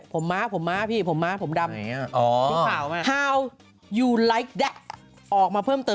ผมม้าผมม้าพี่ผมม้าผมดำไหนอ่ะอ๋อที่ขาวไหมออกมาเพิ่มเติม